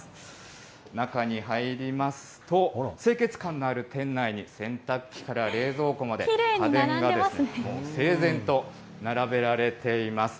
中に入りますと、清潔感のある店内に、洗濯機から冷蔵庫まで、家電が整然と並べられています。